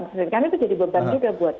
karena itu jadi beban juga buat guru